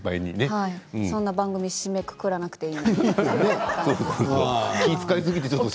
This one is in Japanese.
そんな番組締めくくらなくてもいいのにと。